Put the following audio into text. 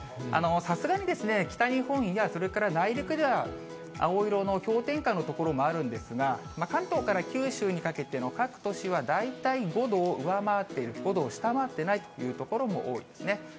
さすがに北日本やそれから内陸では青色の氷点下の所もあるんですが、関東から九州にかけての各都市は大体５度を上回っている、５度を下回ってないという所も多いですね。